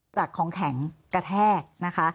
จากของแข็งกระแทก